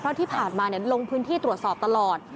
เพราะที่ผ่านมาลงพื้นที่ตรวจสอบตลอด